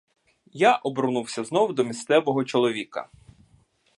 Я обернувся знов до місцевого чоловіка.